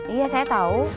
iya saya tau